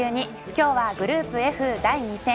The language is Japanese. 今日はグループＦ第２戦。